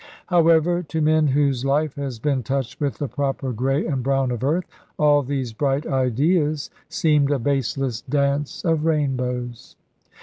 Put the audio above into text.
However, to men whose life has been touched with the proper grey and brown of earth, all these bright ideas seemed a baseless dance of rainbows.